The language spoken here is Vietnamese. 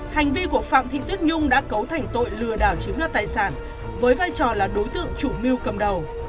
hành vi của phạm thị tuyết nhung đã cấu thành tội lừa đảo chiếm đoạt tài sản với vai trò là đối tượng chủ mưu cầm đầu